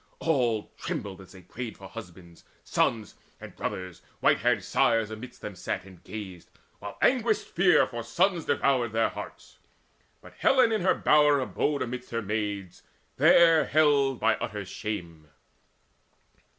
All trembled as they prayed for husbands, sons, And brothers: white haired sires amidst them sat, And gazed, while anguished fear for sons devoured Their hearts. But Helen in her bower abode Amidst her maids, there held by utter shame.